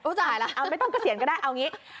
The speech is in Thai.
อุ้นจะอายเลยเอาไม่ต้องกระเถียนก็ได้เอาอย่างงี้